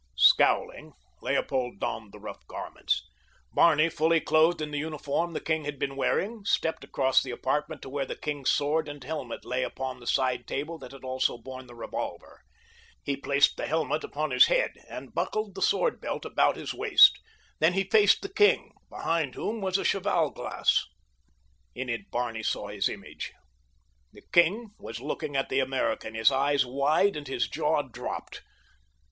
Scowling, Leopold donned the rough garments. Barney, fully clothed in the uniform the king had been wearing, stepped across the apartment to where the king's sword and helmet lay upon the side table that had also borne the revolver. He placed the helmet upon his head and buckled the sword belt about his waist, then he faced the king, behind whom was a cheval glass. In it Barney saw his image. The king was looking at the American, his eyes wide and his jaw dropped.